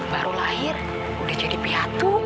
baru lahir udah jadi pihatu